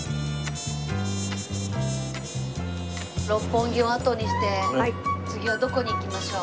六本木を後にして次はどこに行きましょう？